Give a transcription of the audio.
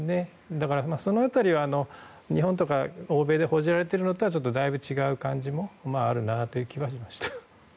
だから、その辺りは日本とか欧米で報じられているのとはだいぶ違う感じもあるなという気はしました。